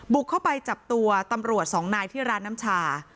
บุกเข้าไปจับตัวตำรวจสองนายที่ร้านน้ำชา